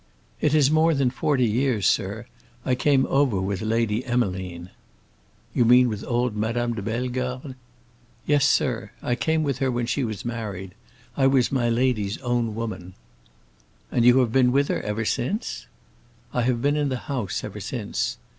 "It is more than forty years, sir. I came over with Lady Emmeline." "You mean with old Madame de Bellegarde?" "Yes, sir. I came with her when she was married. I was my lady's own woman." "And you have been with her ever since?" "I have been in the house ever since.